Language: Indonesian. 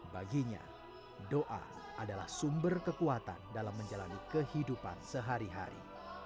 baginya doa adalah sumber kekuatan dalam menjalani kehidupan sehari hari